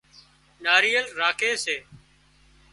ناۯيل راکي سي